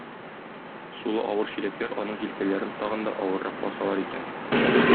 Сулы авыр чиләкләр аның җилкәләрен тагын да авыррак басалар икән.